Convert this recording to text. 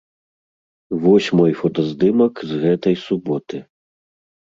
Вось мой фотаздымак з гэтай суботы.